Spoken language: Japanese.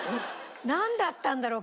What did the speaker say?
なんだったんだろう？